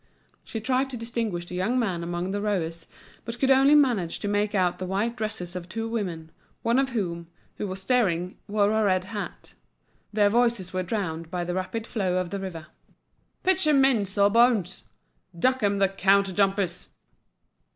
She tried to distinguish the young man among the rowers, but could only manage to make out the white dresses of two women, one of whom, who was steering, wore a red hat. Their voices were drowned by the rapid flow of the river. "Pitch 'em in, the sawbones!" "Duck 'em, the counter jumpers!"